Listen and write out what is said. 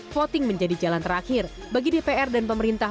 voting menjadi jalan terakhir bagi dpr dan pemerintah